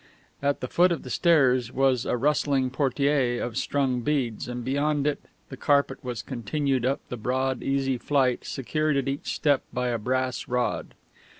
At the foot of the stairs was a rustling portière of strung beads, and beyond it the carpet was continued up the broad, easy flight, secured at each step by a brass rod.